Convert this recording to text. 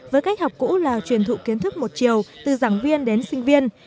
với cách học cũ là truyền thụ kiến thức một chiều từ giảng viên đến sinh viên